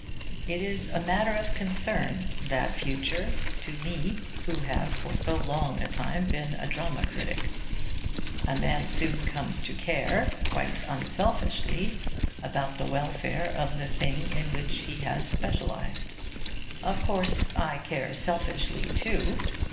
It is a matter of concern, that future, to me who have for so long a time been a dramatic critic. A man soon comes to care, quite unselfishly, about the welfare of the thing in which he has specialised. Of course, I care selfishly too.